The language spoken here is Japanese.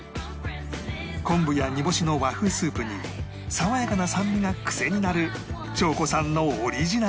昆布や煮干しの和風スープに爽やかな酸味がクセになる翔子さんのオリジナル